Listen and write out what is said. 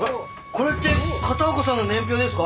これって片岡さんの年表ですか？